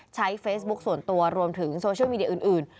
ใช้เฟซบุ๊คส่วนตัวรวมถึงโซเชียลมีเดียอื่น